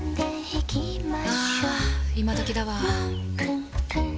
あ今どきだわ。